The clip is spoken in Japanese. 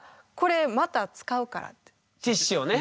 これティッシュをね。